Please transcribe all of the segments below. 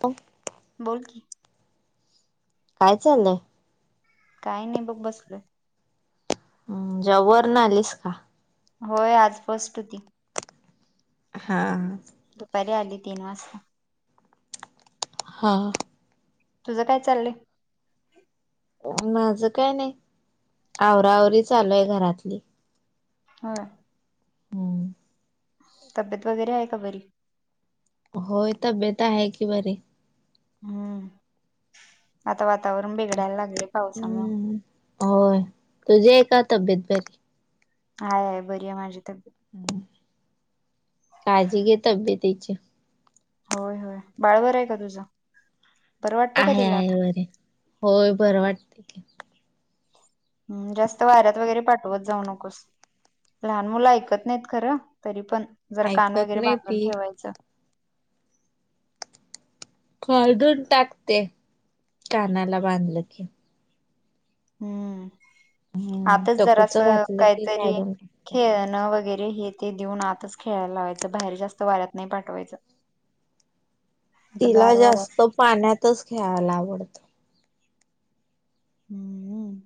प बोल की, काय चाललंय. काही नाही बघ बसलोय. हम्म जॉब वरण आलीस का? होय आज फस्ट होती. हां हा. दुपारी आली तीन वाजता. हा हा. तुझं काय चाललय? माझं काय नाही आवराआवरी चालूय घरातली होय. तब्येत वगैरे आहे का बरी. होय तब्येत आहे की बरी. हम्म आता वातावरण बिघडायला लागले पावसामुळे हम्म. होय तुझी आहे का तब्येत बरी? हाय हाय बरी आहे माझी तब्येत हम्म काळजी घे तब्येतीची. होय होय बाळ बर आहे का तुझं. बरं वाटतंय का आहे तिला आहे आता बरे होय बरं वाटत की. हम् जास्त वाऱ्यात वगैरे पाठवत जाऊ नकोस. लहान मुलं ऐकत नाहीत खरं तरी पण जरा कान ऐकत वगैरे नाही बांधून ती ठेवायचं. काढून टाकते कानाला बांधलं की. हम्म हम्म आताच जर टकूच असं घातलं की काहीतरी. काढून टाकते. खेळणं वगैरे हे ते देऊन आताच खेळायला लावायचं बाहेर जास्त वाऱ्यात नाही पाठवायचं. आता तिला गार वारा जास्त पाण्यातच खेळायला आवडतं. हम्म.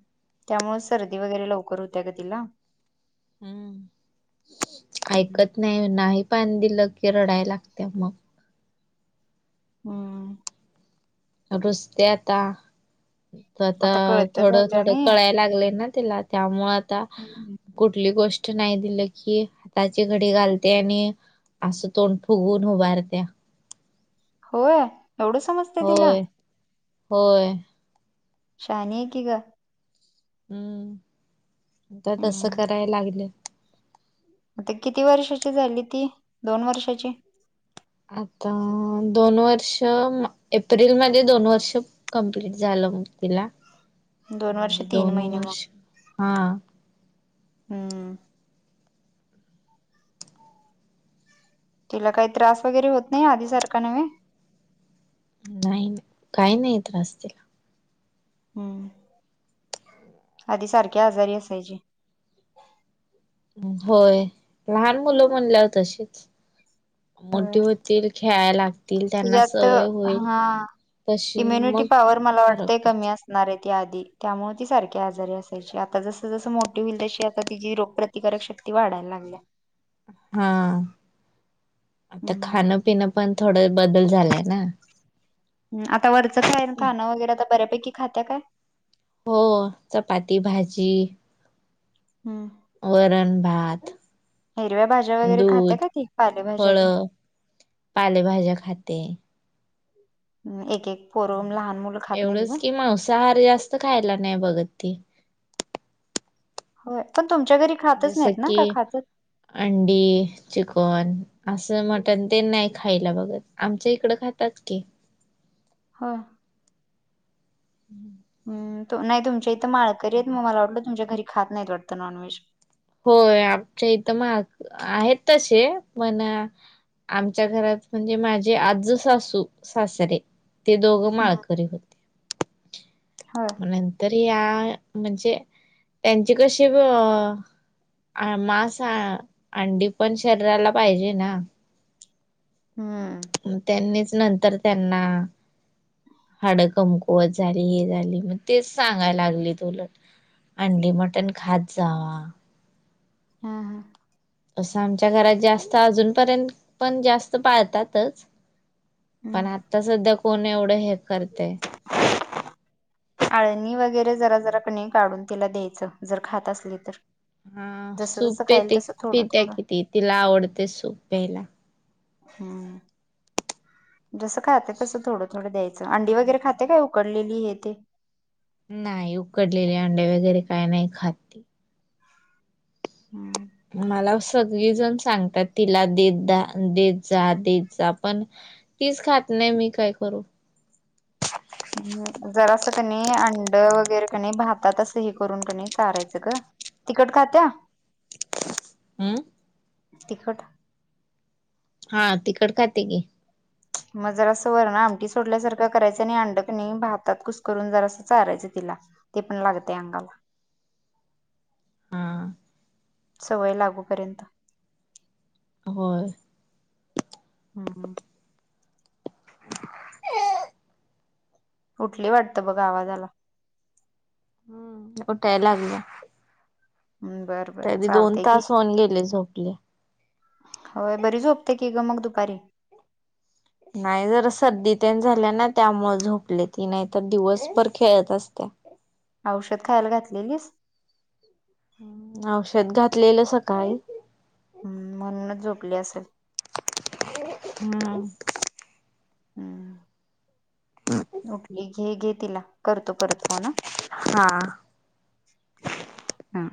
त्यामुळें सर्दी वगैरे लवकर होतेया ग तिला. हम्म. हम्म ऐकत नाही. नाही पाणी दिलं की रडाय लागते मग. ह. रुसते आता. आता कळत थोडं झाल्या थोडं नाही कळाय लागलए ना तिला. त्यामुळे आता हम्म. कुठली गोष्ट- नाही दिलं की हाताची घडी घालते आणि असं तोंड फुगवून उभारते. हो? एवढं समजत. होय. होय. शहाणीए कि ग. हम्म. आता तसं हम्म कराय लागलिए. आता किती वर्षाची झाली ती? दोन वर्षाची? आता दोन वर्ष, एप्रिलमध्ये दोन वर्ष- कम्प्लीट झालं बघ तिला. दोन वर्ष म्हणजे तीन दोन महिने मग वर्ष, हा. हम्म. तिला काही त्रास वगैरे होत नाही. आधी सारखा नव्हे. नाही. काही नाही त्रास तिला. हम्म. आधी सारखी आजारी असायची. होय. लहान मुलं म्हणल्यावर तशीच. मोठी होती- ल खेळायला लाग- यात, हा. तशी इम्युनिटी मग पॉवर मला फरक वाटतय पडतो कमी अस- णार ए ती आधी. त्यामुळे ती सारखी आजारी असायची. आता जसं जसं मोठी होईल तशी आता तिची रोगप्रति- प्रतिकारक शक्ती वाढायला लागल्या. हा. आता हम्म खाणं पिण पण थोडा बदल झालाय ना? ह. आता वरचं [unintelligible] खाणं वगैरे तर बऱ्यापैकी खात्या का? हो. चपाती भाजी- हा. वरण भात. हिरव्या भाज्या वगैरे खाते दूध का ती? पालेभाज्या फळ तेन. पालेभाज्या खाते. हम्. एक एक- पोरं लहान मुलं खात नाहीत एवढंच ग कि मांसाहार जास्त खायला नाही बघत ती. होय. पण तुमच्या घरी- खातच जसं नाहीत ना की का खातात अंडी. चिकन असं मटण ते नाही खायला बघत. आमच्या इकडं खातात की. हो. हम्म. हं. नाही तुमच्या इथं माळकरी येत म मला वाटलं तुमच्या घरी खात नाहीत वाटतं नॉनव्हेज. होय. आमच्या इथं माळ आहेत तसे पण- आमच्या घरात म्हणजे, माझे आज्जे सासू, सासरे ते दोघं माळकरी होते. हो. नंतर या म्हणजे त्यांची कशी ग - अ मास आ अंडी पण शरीराला पाहिजे ना? हम्म. त्यांनीच नंतर त्यांना हाड कमकुवत झाली हे झाली. मग तेच सांगायला लागलेत उलट आंडी मटण खात जा. हा हा. असं आमच्या घरात जास्त, अजूनपर्यंत पण जास्त पाळतातच. पण हम्म आत्ता सध्या कोण एवढं हे करतय. आळणी वगैरे जरा जरा कनि काढून तिला द्यायचं. जर खात असली तर. हा. जसं सूप जसं खाईल पेते तसं थोडं पितेय थोडं कि ती. तिला आवडतय सूप प्यायला. हम्म जसं खाते तसं थोडं थोडं द्यायचं अंडी वगैरे खाते का उकडलेली हे ते नाही उकडलेले अंडे वगैरे काय नाही खात हम्म मला सगळीजण सांगतात तिला देत जा, देत जा पण तीच खात नाही मी काय करू हम् जरा असं कणी अंड वगैरे कनी भातात असं हे करून कणी चारायचं ग तिखट खात्या हम्म तिखट हा तिखट खाते की मग जर असं वरण आमटी सोडल्यासारखं करायचं आणि अंडक नाही भातात कुस करून जरा असं चारायचं तिला ते पण लागतेय अंगाला ह सवय लागूपर्यंत होय हम्म ऊठली वाटतं बघ आवाज आला उठाय लागली बरं, बर तरी दोन चालतंय घे तास होऊन गेले झोपून होय बरी झोपते की ग मग दुपारी नाही जर सर्दीत झाल्या ना त्यामुळे झोपले ती नाही तर दिवसभर खेळत असते औषध खायला घातलेलीस औषध घातलेलं सकाळी म्हणूनच झोपली असेल हम हम्म उठली घे, घे तिला करतो परत फोन ह हा हा.